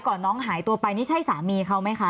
น้องหายตัวไปนี่ใช่สามีเขาไหมคะ